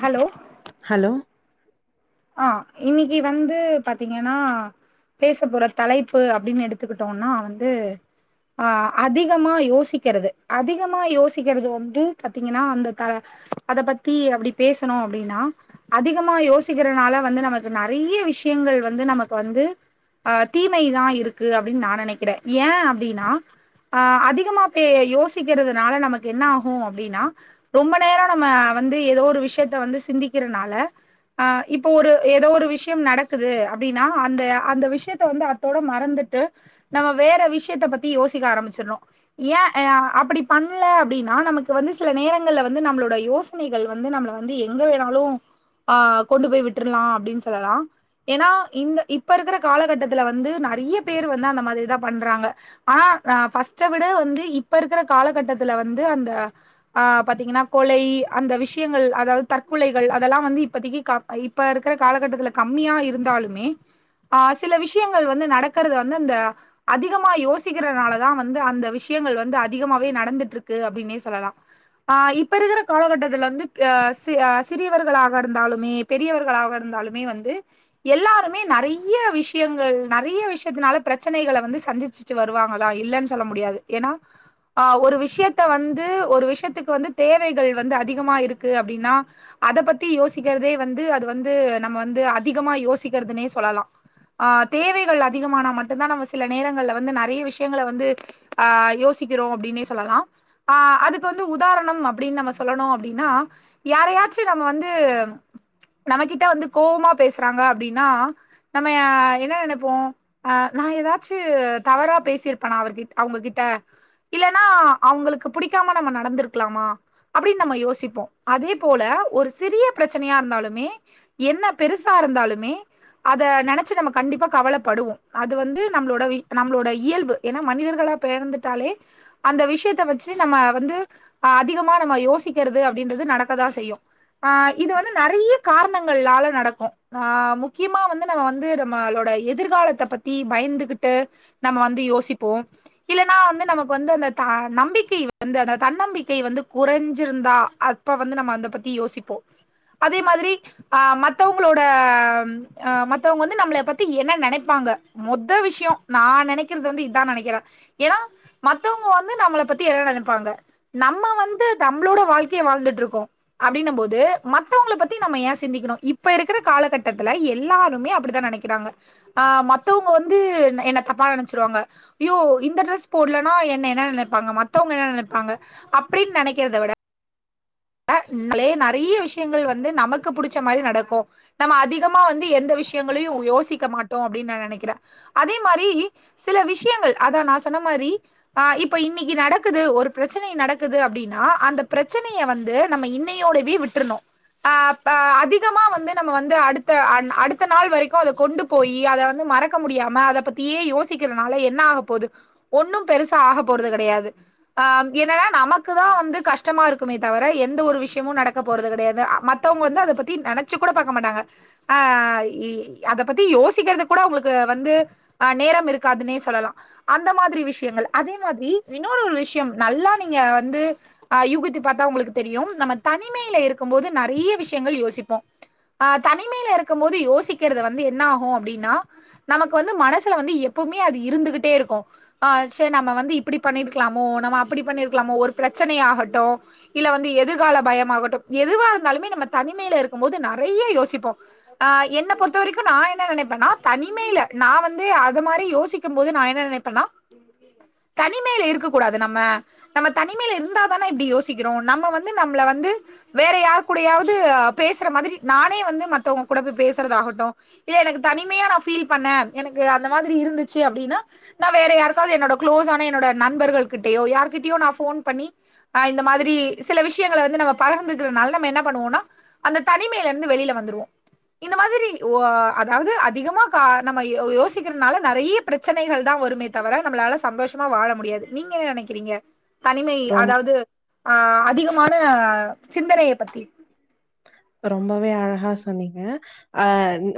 hello hello ஆ இன்னைக்கு வந்து பாத்தீங்கன்னா பேச போற தலைப்பு அப்டின்னு எடுத்துக்கிட்டோன்னா வந்து ஆ அதிகமா யோசிக்கிறது அதிகமா யோசிக்கிறது வந்து பாத்தீங்கன்னா அந்த த அத பத்தி அப்டி பேசணும் அப்டின்னா அதிகமா யோசி யோசிக்கிறனால வந்து நமக்கு நறையா விஷியங்கள் வந்து நமக்கு வந்து ஆ தீமைதான இருக்கு அப்டின் நா நெனைக்கிறன் ஏன் அப்டின்னா ஆ அதிகமா பே யோசிக்கிறதுனால நமக்கு என்ன ஆகும் அப்டின்னா ரொம்ப நேரம் நம்ம வந்து ஏதோ ஒரு விஷயத்த வந்து சிந்திக்கிறனால அ இப்போ ஒரு எதோ ஒரு விஷியம் நடக்குது அப்டின்னா அந்த அந்த விஷியத்த வந்து அத்தோட மறந்துட்டு நம்ம வேற விஷியத்த பத்தி யோசிக்க ஆரம்பிச்சறோ ஏன் ஆ அப்டி பண்ணல அப்டின்னா நமக்கு வந்து சில நேரங்கள்ல வந்து நம்பளோட யோச சனைகள் வந்து நம்மள வந்து எங்க வேணாலும் ஆ கொண்டு போய் விட்டறலா அப்டின் சொல்லலாம் ஏன்னா இந்த இப்ப இருக்கற காலகட்டத்துல வந்து நெறையா பேரு வந்து அந்த மாதிரிதா பண்றாங்க ஆனா நா ஃபர்ஸ்ட்ட விட வந்து இப்ப இருக்கற காலகட்டத்துல வந்து அந்த ஆ பாத்திங்கன்னா கொலை அந்த விஷயங்கள் அதாவ்து தற்கொலைகள் அதெல்லா வந்து இப்பதைக்கு க இப்ப இருக்குற காலகட்டத்துல கம்மியா இருந்தாலுமே அ சில விஷயங்கள் வந்து நடக்கறத வந்து அந்த அதிகமா யோசிக்கிறதுனாலதா வந்து அந்த விஷயங்கள் வந்து அதிகமாவே நடந்துட்ருக்கு அப்டின்னே சொல்லலா அ இப்ப இருக்குற காலகட்டத்துல வந்து அ அ சிறியவர்களாக இருந்தாலுமே பெரியவர்களாக இருந்தாலுமே வந்து எல்லாருமே நறைய விஷயங்கள் நிறைய விஷயத்துனால பிரச்சனைகள வந்து சந்திச் சு வருவாங்களா இல்லன் சொல்ல முடியாது ஏனா ஆ ஒரு விஷயத்த வந்து ஒரு விஷயத்துக்கு வந்து தேவைகள் வந்து அதிகமா இருக்கு அப்டின்னா அத பத்தி யோசிக்கறதே வந்து அது வந்து நம்ம வந்து அதிகமா யோசிக்கறதுனே சொல்லலா ஆ தேவைகள் அதிகமானா மட்டுந்தா நம்ம சில நேரங்கள்ல வந்து நறைய விஷயங்கள வந்து அ யோசிக்கிறோ அப்டின்னே சொல்லலா அ அதுக்கு வந்து உதாரணம் அப்டின்னு நம்ம சொல்லணு அப்டின்னா யாரையாச்சு நம்ம வந்து நம்ம கிட்ட வந்து கோவமா பேசுறாங்க அப்டின்னா நம்ம என்ன நெனைப்போ அ நா எதாச்சு தவறா பேசியிருப்பனா அவர் அவுங்ககிட்ட இல்லன்னா அவுங்களுக்கு புடிக்காம நம்ம நடந்திருக்லாமா அப்டின்னு நம்ம யோசிப்போ அதே போல ஒரு சிறிய பிரச்சனையா இருந்தாலு மே என்ன பெருசா இருந்தாலுமே அத நெனைச்சு நம்ம கண்டிப்பா கவலைப்படுவோ அது வந்து நம்ளோட நம்ளோட இயல்பு ஏன்னா மனிதர்களா பிறர்ந்துட்டாலே அந்த விஷயத்த வச்சு நம்ம வந்து அ அதிகமா நம்ம யோசிக்கற்து அப்டின்றது நடக்கதா செய்யு அ இது வந்து நறைய காரணங்களால நடக்கு அ முக்கியமா வந்து நம்ம வந்து நம்மளோட எதிர்காலத்த பத்தி பயந்துகிட்டு நம்ம வந்து யோசிப்போ இல்லன்னா வந்து நமக்கு வந்து அந்த த நம்பிக்கை வந்து அந்த தன்னம்பிக்கை வந்து குறஞ்சிருந்தா இப்ப வந்து நம்ம அத பத்தி யோசிப்போ அதே மாதிரி அ மத்தவங்ளோட அ மத்தவங்க வந்து நம்ள பத்தி என்ன நெனைப்பாங்க மொத விஷ்யோ நா நெனைக்றது வந்து இதா நெனைக்கிறே ஏன்னா மத்தவங்க வந்து நம்மள பத்தி என்ன நெனைப்பாங்க நம்ம வந்து நம்ளோட வாழ்க்கை வாழ்ந்துட்ருக்கோ அப்டின்ன போது மத்தவங்ல பத்தி நம்ம ஏ சிந்திக்கணு இப்ப இருக்ற காலகட்டத்துல எல்லாருமே அப்டித்தா நெனைக்குறாங்க ஆ மத்தவங்க வந்து என்ன தப்ப நெனைச்சிருவாங்க அய்யோ இந்த ட்ரெஸ் போட்லன்னா என்ன என்ன நெனைப்பாங்க மத்தவங்க என்ன நெனைப்பாங்க அப்டின்னு நெனைக்றத விட அ நம்ளே நெறைய விஷ்யங்கள் வந்து நமக்கு புடிச்ச மாரி நடக்கு நம்ம அதிகமா வந்து எந்த விஷ்யங்களையு யோசிக்க மாட்டோ அப்டின்னு நா நெனைக்கிறே அதே மாரி சில விஷ்யங்கள் அதா நா சொன்ன மாரி அ இப்ப இன்னைக்கி நடக்குது ஒரு பிரச்சன நடக்குது அப்டின்னா அந்த பிரச்சனைய வந்து நம்ம இன்னையோடவே விட்ருனு அப அதிகமா வந்து நம்ம வந்து அடுத்த அடுத்த நாள் வரைக்கு அத கொண்டு போயி அத வந்து மறக்க முடியாம அத பத்தியே யோசிக்றதுனால என்ன ஆக போது ஒண்ணு பெருசா ஆக போறது கெடையாது ஆ என்னன்னா நமக்குதா வந்து கஷ்டமா இருக்குமே த தவர எந்த ஒரு விஷயமு நடக்க போறது கெடையாது மத்தவங்க வந்து அத பத்தி நினைச்சு கூட பாக்க மாட்டாங்க அ அத பத்தி யோசிக்றது கூட அவுங்களுக்கு வந்து அ நேரம் இருக்காதுன்னே சொல்லலா அந்த மாதிரி விஷயங்கள் அதே மாதிரி இன்னொரு ஒரு விஷ்யோ நல்லா நீங்க வந்து அ யுகுத்து பாத்தா உங்களுக்கு தெரியும் நம்ம தனிமையில இருக்கும் போது நெறைய விஷயங்கள் யோசிப்போ அ தனிமையில இருக்கும் போது யோசிக்கறது வந்து என்ன ஆகும் அப்டின்னா நமக்கு வந்து மனசுல வந்து எப்வுமே அது இருந்துகிட்டே இருக்கு ஆ செரி நம்ம வந்து இப்டி பண்ணிருக்கலாமோ நம்ம அப்டி பண்ணிருக்கலாமோ ஒரு பிரச்சனை ஆகட்டு இல்ல வந்து எதிர்கால பயமாகட்டும் எதுவா இருந்தாலுமே நம்ம தனிமையில இருக்கும் போது நெறைய யோசிப்போம் ஆ என்ன பொறுத்த வரைக்கு நா என்ன நெனப்பேன்னா தனிமையில நா வந்து அத மாரி யோசிக் கும் போது நா என்ன நெனைப்பேண்ணா தனிமையில இருக்க கூடாது நம்ம நம்ம தனிமையில இருந்தாதான இப்டி யோசிக் கிறோ நம்ம வந்து நம்மள வந்து வேற யாரு கூடயாவது பேசுற மாரி நானே வந்து மத்தவங்க கூட போய் பேசுறதாகட்டு இல்ல எனக்கு தனிமையா நா ஃபீல் பண்ணே எனக்கு அந்த மாரி இருந்துச்சு அப்டின்னா நா வேற யாருக்காவது என்னோட க்ளோஸ் ஆன என்னோட நண்பர்கள் கிட்டயோ யார்கிட்டயோ நா போன் பண்ணி் இந்த மாரி ஸ்ரீ சில விஷயங்கள வந்து நம்ம பகர்ந்துக்கிறதுனால நம்ம என்ன பண்ணுவோனா அந்த தனிமையில இருந்து வெளியில வந்துருவோ இந்த மாரி ஓ அதாவது அதிகமா கா நம்ம யோசிக்கிறதுனால நெறைய பிரச்சனைகள் தா வருமே தவர நம்மளால சந்தோஷமா வாழ முடியாது நீங்க என்ன நெனைக்கிறீங்க தனிமை ரொம் அதாவது ஆ அதிகமான சிந்தனைய பத்தி ரொம்பவே அழகா சொன்னீங்க அ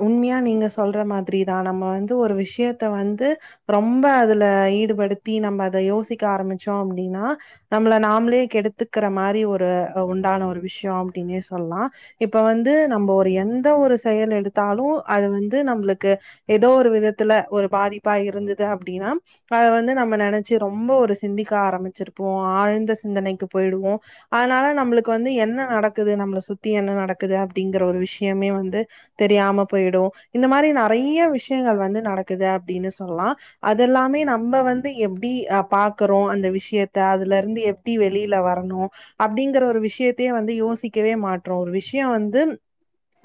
உண்மையா நீங்க சொல்ற மாதிரி தா நம்ம வந்து ஒரு விஷயத்த வந்து ரொம்ப அதுல ஈடுபடுத்தி நம்ம அத யோசிக்க ஆரம்பிச்சோம் அப்டின்னா நம்மள நாமளே கெடுத்துக்கிற மாரி ஒரு உண்டான ஒரு விஷ்யோ அப்டின்னே சொல்லா இப்ப வந்து நம்ம ஒரு எந்த ஒரு செயல் எடுத்தாலு அது வந்து நம்மளுக்கு ஏதோ ஒரு விதத்துல ஒரு பாதிப்பா இருந்தது அப்டின்னா அத வந்து நம்ம நினைச்சு ரொம்ப ஒரு சிந்திக்கா ஆரம்பிச்சிருப்போ ஆழ்ந்த சிந்தனைக்கு போயிடுவோ அதனால நம்மளுக்கு வந்து என்ன நடக்குது நம்மள சுத்தி என்ன நட நடக்குது அப்டிங்கற ஒரு விஷயமே வந்து தெரியாம போயிடு இந்த மாரி நெறைய விஷ் விஷயங்கள் வந்து நடக்குது அப்டின்னு சொல்லா அதெல்லாமே நம்ம வந்து எப்டி பா இருக்கறோ அந்த விஷயத்த அதுல இருந்து எப்டி வெளியில வரணு அப்டிங்கிற ஒரு விஷயத்தையே வந்து யோசிக்கவே மாட்றோ ஒரு விஷ் [unintelligible] வந்து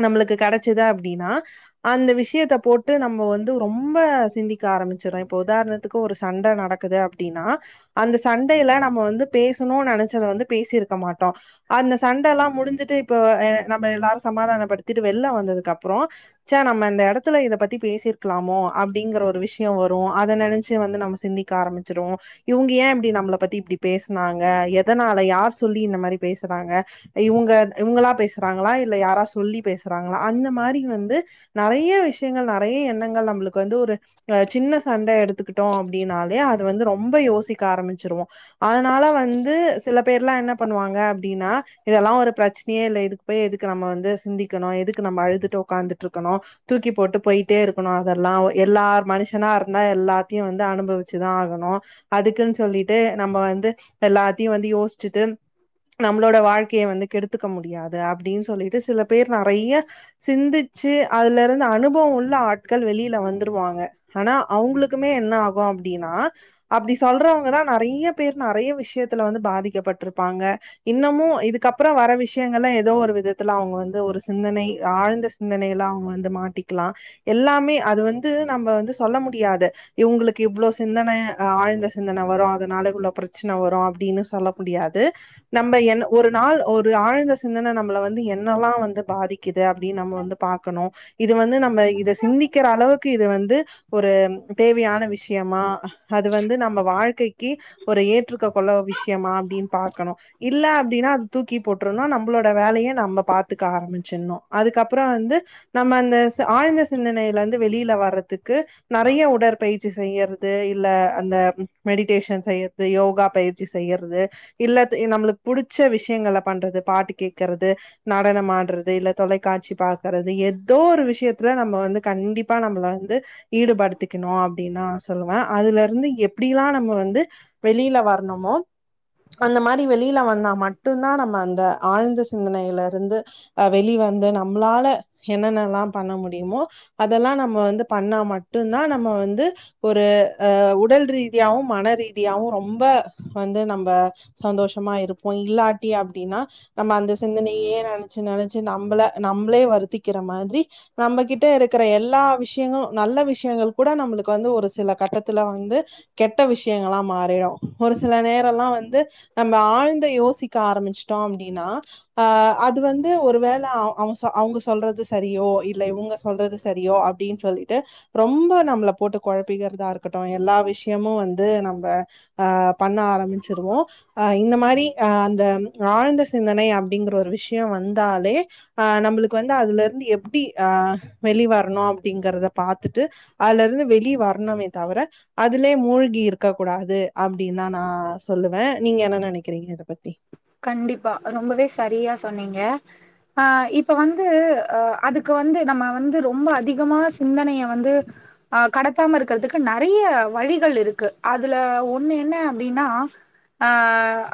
நம்மளுக்கு கிடைச்சது அப்டின்னா அந்த விஷயத்த போட்டு நம்ம வந் து ரொம்ப சிந்திக்க ஆரம்பிச்சிரோ இப்ப உதாரணத்துக்கு ஒரு சண்ட நடக்குது அப்டின்னா அந்த சண்டையில நம்ம வந்து பேசணுன்னு நெனைச்சத வந்து பேசியிருக்க மாட்டோ அந்த சண்டல்லா முடிஞ்சுட்டு இப்ப நம்ம எல்லாரு சமாதானப்படுத்திட்டு வெள்ள வந்ததுக்கு அப்ரோ சா நம்ம இந்த எடத்துல இத பத்தி பேசிருக்கலாமோ அப்டிங்கற ஒரு விஷ்யோ வரு அத நெனைச்சு வந்து நம்ம சிந்திக் கா ஆரம்பிச்சிருவோ இவங்க ஏ இப்டி நம்மள பத்தி இப்டி பேசுனாங்க எதனால யார் சொல்லி இந்த மாறி பேசுறாங்க இவங்க இவங்களா பேசுறாங்களா இல்ல யாரா சொல்லி பேசுறாங்களா அந்த மாறி வந்து நெறைய விஷயங்கள் நெறைய எண்ணங்கள் நம்மளுக்கு வந்து ஒரு அ சின்ன சண்டை எடுத்துக்கிட்டோ அப்டின்னாலே அது வந்து ரொம்ப யோசிக்க ஆரம்பிச்சிருவோ அதனால வந்து சில பேர்லா என்ன பண்ணுவாங்க அப்டின்னா இதெல்லா ஒரு பிரச்னையே இல்ல இதுக் போய் எதுக்கு நம்ம வந்து சிந்திக்குணு எதுக்கு நம்ம அழுதுட்டு ஒட்காந்துட்டு இருக்கொணு தூக்கி போட்டு போயிட்டே இருக்கணு அதெல்லா எல்லார் மனுஷனா இருந்தா எல்லாத்தையு வந்து அனுபவிச்சுதா ஆகணு அதுக்குன்னு சொல்லிட்டு நம்ம வந்து எல்லாத்தையு வந்து யோசிட்டு நம்மளோட வாழ்க்கைய வந்து கெடுத்துக்க முடியாது அப்டின்னு சொல்லிட்டு சில பேர் நெறைய சிந்திச்சு அதுலருந்து அனுபவோ உள்ள ஆட்கள் வெளியில வந்துருவாங்க ஆனா அவங்களுக்குமே என்ன ஆகு அப்டின்னா அப்டி சொல்றவங்கதா நெறைய பேர் நெறைய விஷ்யத்துல வந்து பாதிக்க பட்ருப்பாங்க இன்னமு இதுக்கப்ற வர விஷ்யங்கள்லா எ ஏதோ ஒரு விதத்துல அவுங்க வந்து ஒரு சிந்தனை ஆழ்ந்த சிந்தனைல அவுங்க வந்து மாட்டிக்லா எல்லாமே அது வந்து நம்ம வந்து சொல்ல முடியாது இவ்ங்களுக்கு இவ்ளோ சிந்தன ஆழ்ந்த சிந்தன வரு அதனால இவ்ளோ பிரச்சன வரு அப்டின்னு சொல்ல முடியாது நம்ம என்ன ஒரு நாள் ஒரு ஆழ்ந்த சிந்தன நம்மள வந்து என்னெல்லா வந்து பாதிக்குது அப்டின் நம்ம வந்து பாக்கனு இது வந்து நம்ம இத சிந்திக்கிற அளவுக்கு இது வந்து ஒரு தேவையான விஷ்யமா அது வந்து நம்ம வாழ்க்கைக்கு ஒரு ஏற்றுக்க கொள்ள விஷ்யமா அப்டின் பாக்கனு இல்ல அப்டின்னா அது தூக்கி போட்ருன்னு நம் ளோட வேலையு நம்ம பாத்துக்க ஆரம்பிச்சிர்னு அதுக்கப்றோ வந்து நம்ம அந்த ச ஆழ்ந்த சிந்தனைலந்து வெளியில வர்றதுக்கு நெறைய உடற்பயிற்சி செய்றது இல்ல அந்த மெடிடேஷன் செய்றது யோகா பயிற்சி செய்றது இல்ல தே நம்மளுக் புடிச்ச விஷியங்கள பண்றது பாட்டு கேக்கறது நடனம் ஆட்றது இல்ல தொலைக்காட்சி பாக்கறது எத்தோ ஒரு விஷியத்துல நம்ம வந்து கண்டிப்பா நம்மள வந்து ஈடுபடுத்திக்கணு அப்டின்னா சொல்லுவே அதுல இருந்து எப்டிலா நம்ம வந்து வெளியில வரணுமோ அந்த மாரி வெளியில வந்தா மட்டு தா நம்ம அந்த ஆழ்ந்த சிந்தனைலருந்து அ வெளி வந்து நம்ளால என்னென்னல்லா பண்ண முடியுமோ அதெல்லா நம்ம வந்து பண்ணா மட்டு தா நம்ம வந்து ஒரு அ உடல் ரீதியாவு மனரீதியாவு ரொம்ப வந்து நம்ப சந்தோஷமா இருப்போ இல்லாட்டி அப்டினா நம்ம அந்த சிந்தனையே நெனச்சி நெனச்சி நம்பள நம்ளே வருத்திக்கிற மாதிரி நம்மகிட்ட இருக்கற எல்லா விஷியங்களு நல்ல விஷியங்கள் கூட நம்மளுக்கு வந்து ஒரு சில கட்டத்துல வந்து கெட்ட விஷ்யங்களா மாறிடு ஒரு சில நேரோல்லா வந்து நம்ம ஆழ்ந்து யோசிக்க ஆரம்பிச்ட்டோ அப்டினா ஆ அது வந்து ஒரு வேள அ அவு அவுங்க சொல்றது சரியோ இல்ல இவுங்க சொல்றது சரியோ அப்டின் சொல்லிட்டு ரொம்ப நம்மள போட்டு கொழப்பிக்கறதா இருக்கட்டு எல்லா விஷ்யமு வந்து நம்ப அ பண்ண ஆரம்பிச்சிருவோ அ இந்த மாரி அ அந்த ஆழ்ந்த சிந்தனை அப்டிங்கிற ஒரு விஷ்யோ வந்தாலே அ நம்புளுக்கு வந்து அதுல இருந்து எப்டி அ வெளி வரனு அப்டிங்கறத பாத்துட்டு அதுல இருந்து வெளிய வரனுமே தவர அதுலயே மூழ்கி இருக்க கூடாது அப்டின் தா நா சொல்லுவே நீங்க என்ன நெனைக்கிறீங்க இத பத்தி கண்டிப்பா ரொம்பவே சரியா சொன்னீங்க ஆ இப்ப வந்து அ அதுக்கு வந்து நம்ம வந்து ரொம்ப அதிகமா சிந்தனைய வந்து அ கடத்தாம இருக்கறதுக்கு நெறைய வழிகள் இருக்கு அதுல ஒண்ணு என்ன அப்டினா ஆ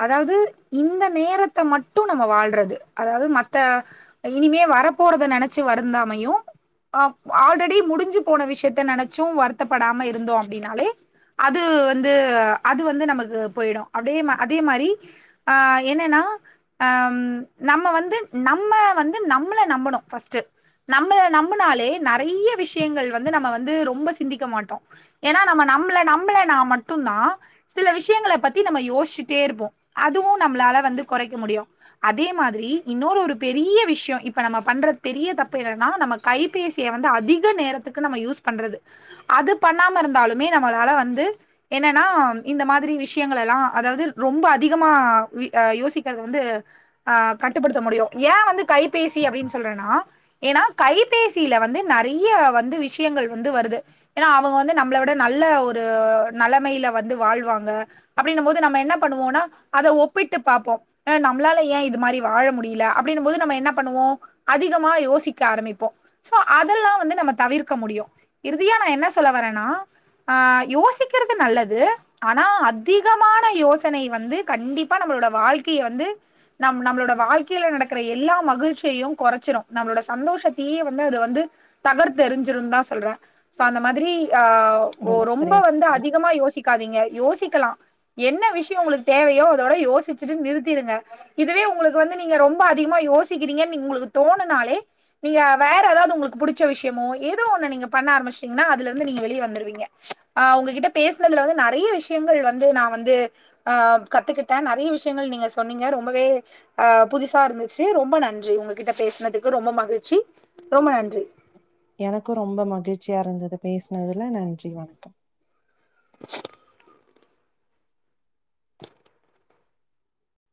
அதாவது இந்த நேரத்த மட்டு நம்ம வாழ்றது அதாவது மத்த இனிமே வர போறத நெனச்சி வருந்தாமையு ஆ ஆல்ரெடி முடிஞ்சி போன விஷ்யத்த நெனச்சு வருத்தப்படாம இருந்தோ அப்டின்னாலே அது வந்து அது வந்து நமக்கு போய்டு அப்டியே அதே மாரி ஆ என்னனா அம் நம்ம வந்து நம்ம வந்து நம்மள நம்பணு ஃபஸ்ட்டு நம்மள நம்புனாலே நெறைய விஷ்யங்கள் வந்து நம்ம வந்து ரொம்ப சிந்திக்க மாட்டோ ஏனா நம்ம நம்பள நம்ள நா மட்டுந்தா சில விஷயங்கள பத்தி நம்ம யோசிச்சுட்டே இருப்போ அதுவு நம்மளால வந்து கொறைக்க முடியு அதே மாரி இன்னொரு ஒரு பெரிய விஷயம் இப்ப நம்ம பண்றது பெரிய தப்பு என்னான நமக் கைபேசிய வந்து அதிக நேரத்துக்கு நம்ம யூஸ் பண்றது அது பண்ணாம இருந்தாலுமே நம்மளால வந்து என்னன்னா இந்த மாரி விஷயங்கள எல்லா அதாவ்து ரொம்ப அதிகமா வி அ யோசிக்கிறது வந்து ஆ கட்டுப்படுத்த முடியு ஏ வந்து கைபேசி அப்டின் சொல்றேனா ஏனா கைபேசியில வந்து நறையா வந்து விஷயங்கள் வந்து வருது ஏனா அவுங்க வந்து நம்மள விட நல்ல ஒரு நலமையில வந்து வாழ்வாங்க அப்டின்னம் போது நம்ம என்ன பண்ணுவோனா அத ஒப் பிட்டு பாப்போ நம்மால ஏ இது மாரி வாழ முடியல அப்டினும் போது நம்ம என்ன பண்ணுவோ அதிகமா யோசிக்க ஆரம்பிப்போ சோ அதெல்லா வந்து நம்ம தவிர்க்க முடியு இறுதியா நா என்ன சொல்ல வரேனா ஆ யோசிக்கிறது நல்லது ஆனா அதிகமான யோசனை வந்து கண்டிப் பா நம்மளோட வாழ்க்கைய வந்து நம் நம்மளோட வாழ்க்கையில நடக்கிற எல்லா மகிழ்ச்சியையு கொறச்சிரு நம்மளோட சந்தோஷத்தியே வந்து அது வந்து தகர்து தெரிஞ்சிரு தா சொல்றே சோ அந்த மாரி ஆ ரொம்ப சரியா வந்து சொன்னீங்க அதிகமா யோசிக்காதீங்க யோசிக்கலா என்ன விஷயோ உங்களுக்கு தேவையோ இதோட யோசிச்சிட்டு நிறுத்திருங்க இதுவே உங்களுக்கு வந்து நீங்க ரொம்ப அதிகமா யோசிக்கிறீங்கன்னு நீ உங்களுக்கு தோணுனாலே நீங்க வேற எதாவ்து உங்களுக்கு புடிச்ச விஷயமோ ஏதோ ஒண்ணு நீங்க பண்ண ஆரம்பிச்சுட்டீங்கன்னா அதுல இருந்து நீங்க வெளிய வந்துருவீங்க ஆ உங்ககிட்ட பேசினதுல வந்து நெறைய விஷயங்கள் வந்து நா வந்து ஆ கத்துக்கிட் டே நெறைய விஷயங்கள் நீங்க சொன்னீங்க ரொம்பவே ஆ புதுசா இருந்துச்சு ரொம்ப நன்றி உங்ககிட்ட பேசுனதுக்கு ரொம்ப மகிழ்ச்சி ரொம்ப நன்றி எனக்கு ரொம்ப மகிழ்ச்சியா இருந்தது பேசினதுல நன்றி வணக்கம்